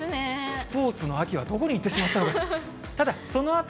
スポーツの秋はどこにいってしまったのかと。